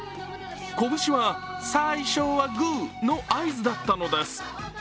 拳は「最初はグー」の合図だったのです。